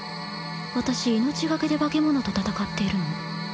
私命懸けで化け物と戦っているの。